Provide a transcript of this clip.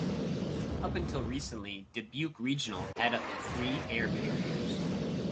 Up until recently, Dubuque Regional had up to three air carriers.